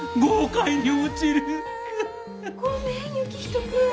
ごめん行人君。